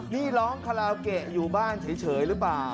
นี่ร้องคาราโอเกะอยู่บ้านเฉยหรือเปล่า